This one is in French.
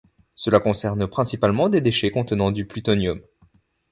Cela concerne principalement des déchets contenant du plutonium.